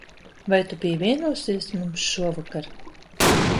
Vai tu pievienosies mums šovakar?